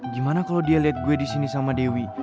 gimana kalo dia liat gue disini sama dewi